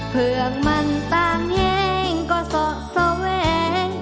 เพื่องมันต่างแห้งก็สะแสว้ง